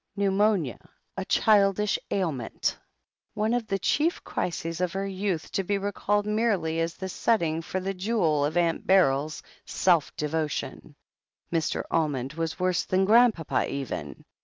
Pneumonia a childish ailment! One of the chief crises of her youth to be recalled merely as the setting for the jewel of Aunt Beryl's self devotion ! Mr. Almond was worse than Grandpapa even.